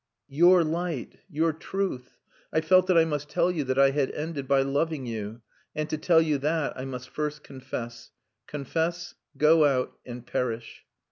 Your light! your truth! I felt that I must tell you that I had ended by loving you. And to tell you that I must first confess. Confess, go out and perish.